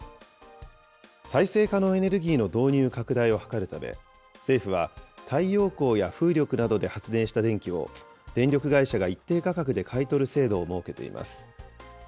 再生可能エネルギーの導入拡大を図るため、政府は、太陽光や風力などで発電した電気を、電力会社が一定価格で買い取る制度を設けています。